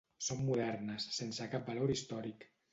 Són modernes, sense cap valor històric.